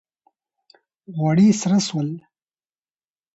غوړي سره سول